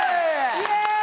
イエーイ！